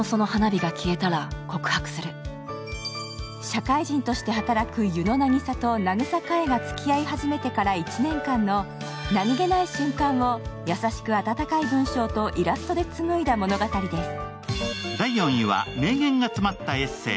社会人として働く湯乃渚と名草かえがつきあい始めてから１年間の何気ない瞬間を優しく温かい文章とイラストで紡いだ物語です。